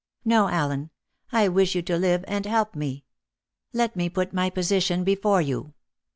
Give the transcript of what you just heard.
No, Allen; I wish you to live and help me. Let me put my position before you.